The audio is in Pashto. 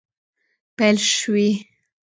پیل شوي